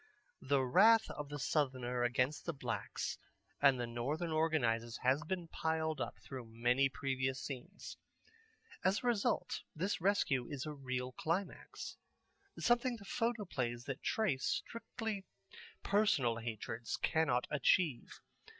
The wrath of the Southerner against the blacks and their Northern organizers has been piled up through many previous scenes. As a result this rescue is a real climax, something the photoplays that trace strictly personal hatreds cannot achieve.